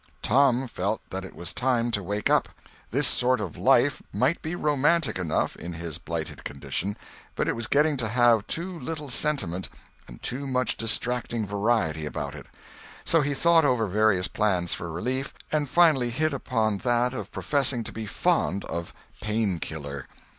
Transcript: Tom felt that it was time to wake up; this sort of life might be romantic enough, in his blighted condition, but it was getting to have too little sentiment and too much distracting variety about it. So he thought over various plans for relief, and finally hit upon that of professing to be fond of Pain killer.